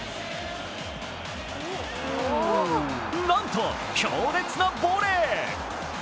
なんと強烈なボレー。